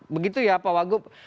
begitu ya pak wagub